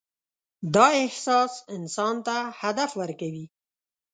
دا احساس انسان ته هدف ورکوي.